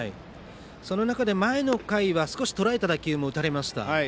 その中で前の回は少しとらえた打球も打たれました。